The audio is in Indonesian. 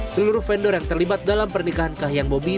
seluruh vendor yang terlibat dalam pernikahan kahiyang bobi